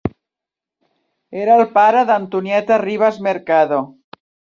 Era el pare de Antonieta Rivas Mercado.